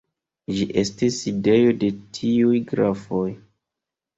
Ĝi estis sidejo de tiuj grafoj.